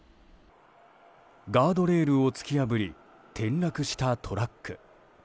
ガードレールを突き破り転落したトラック。